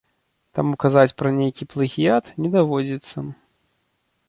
Таму казаць пра нейкі плагіят не даводзіцца.